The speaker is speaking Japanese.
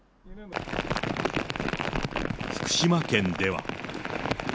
福島県では。